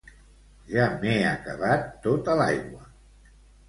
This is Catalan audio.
Ja m'he acabat tota l'aigua